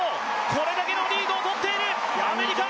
これだけのリードをとっているアメリカ！